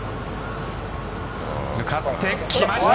向かってきました。